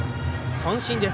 三振です。